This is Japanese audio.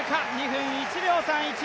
２分１秒３１。